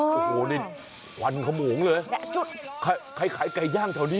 อ๋อโอ้โหนี่ควันขมูงเลยในจุดใครใครขายไก่ย่างเท่านี้